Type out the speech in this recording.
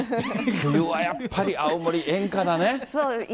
冬はやっぱり青森、演歌だね。